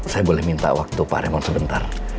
saya boleh minta waktu pak remon sebentar